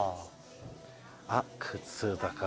あっ靴とか。